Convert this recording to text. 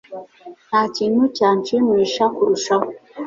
Nta kintu cyanshimisha kurushaho